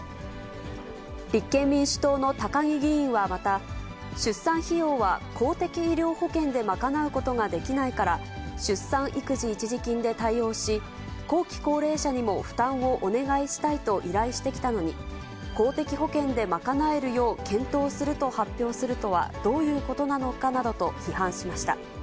立憲民主党の高木議員はまた、出産費用は公的医療保険で賄うことができないから、出産育児一時金で対応し、後期高齢者にも負担をお願いしたいと依頼してきたのに、公的保険で賄えるよう検討すると発表するとはどういうことなのかなどと批判しました。